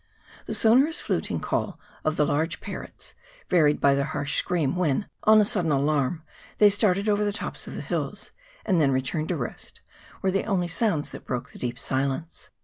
The sonorous fluting call of the large parrots, varied by their harsh scream when, on a sudden alarm, they started over the tops of the hills, and then returned to rest, were the only sounds that broke the deep silence.